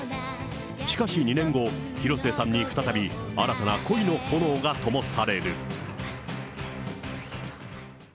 しかし、２年後、広末さんに再び新たな恋の炎がともされる。